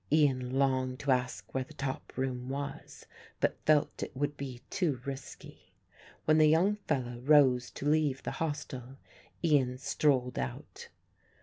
Ian longed to ask where the top room was but felt it would be too risky. When the young fellow rose to leave the hostel, Ian strolled out.